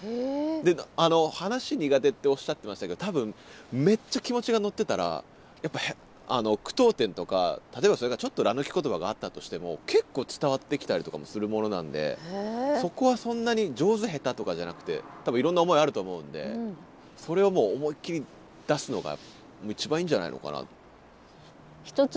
話苦手っておっしゃってましたけど多分めっちゃ気持ちが乗ってたらやっぱ句読点とか例えばそれがちょっとら抜き言葉があったとしても結構伝わってきたりとかもするものなんでそこはそんなに上手下手とかじゃなくて多分いろんな思いあると思うんでそれをもう思いっきり出すのが一番いいんじゃないのかな。